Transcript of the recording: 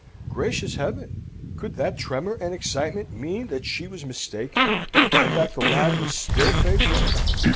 Gracious Heaven! Could that tremor and excitement mean that she was mistaken, and that the lad was still faithful?